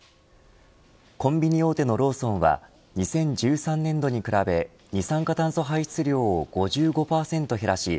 コンビニ大手のローソンは２０１３年度に比べ二酸化炭素排出量を５５％減らし